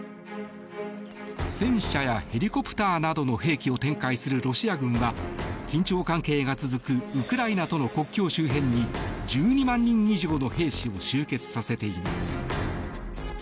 戦車やヘリコプターなどの兵器を展開するロシア軍は緊張関係が続くウクライナとの国境周辺に１２万人以上の兵士を集結させています。